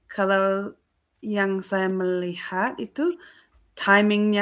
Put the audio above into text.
kalau yang saya melihat itu timing nya ya